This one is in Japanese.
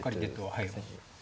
はい。